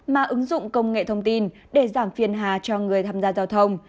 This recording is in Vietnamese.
mà ứng dụng công nghệ thông tin để giảm phiền hà cho người tham gia giao thông